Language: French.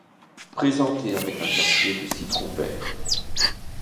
Présenter avec un quartier de citron vert.